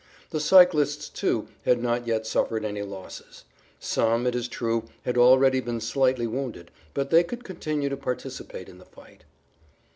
The cyclists, too, had not yet suffered any losses; some, it is true, had already been slightly wounded, but they could continue to participate in the fight.